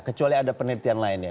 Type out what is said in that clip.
kecuali ada penelitian lainnya